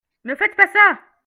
Ne faites pas ça.